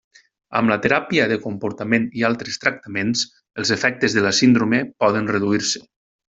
Amb la teràpia de comportament i altres tractaments, els efectes de la síndrome poden reduir-se.